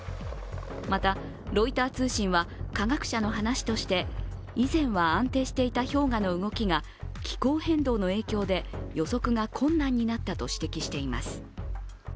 また、ロイター通信は科学者の話として以前は安定していた氷河の動きが気候変動の影響で予測が困難になったと指摘しています。